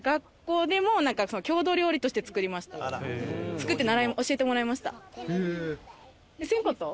作って教えてもらいました。